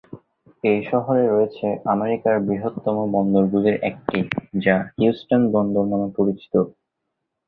এই শহরে রয়েছে আমেরিকার বৃহত্তম বন্দর গুলির একটি যা হিউস্টন বন্দর নামে পরিচিত।